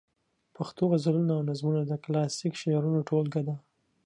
پښتو غزلونه او نظمونه د کلاسیک شعرونو ټولګه ده.